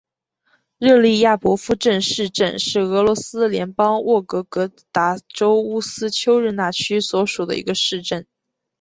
热利亚博夫镇市镇是俄罗斯联邦沃洛格达州乌斯秋日纳区所属的一个市镇。